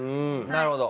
なるほど。